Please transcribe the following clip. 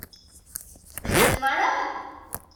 Vous êtes malade ?